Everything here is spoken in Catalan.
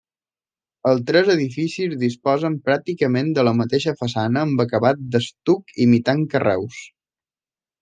Els tres edificis disposen pràcticament de la mateixa façana amb acabat d'estuc imitant carreus.